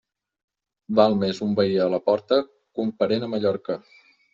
Val més un veí a la porta que un parent a Mallorca.